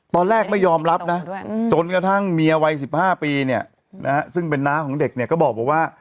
ตอนแรกไม่ยอมรับนะจนกระทั่งเมียวัย๑๕ปีเนี่ยนะฮะซึ่งเป็นน้าของเด็กเนี่ยก็บอกว่า